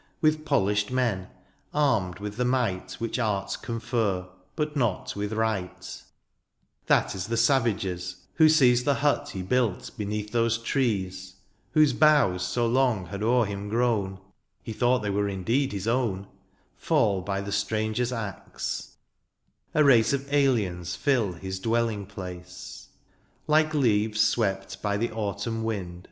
With polished men, armed with the might Which arts confer, but not with right : That is the savage's, who sees The hut he built beneath those trees, — 94 DIONYSIUS, Whose boughs so long had o^er him grown^ He thought they were indeed his own^ — Fall by the stranger's axe — a race Of aliens fill his dwelling place : Like leaves swept by the autumn wind.